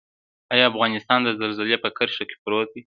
آیا افغانستان د زلزلې په کرښه پروت دی؟